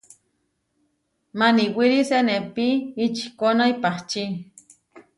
Maniwíri senepí ičikóna ipahčí.